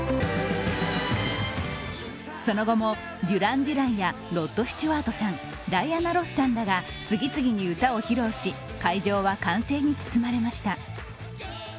その後もデュラン・デュランやロッド・スチュワートさん、ダイアナ・ロスさんらが次々に歌を披露し会場は歓声に包まれました。